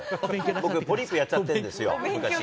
僕、ポリープやっちゃってるんですよ。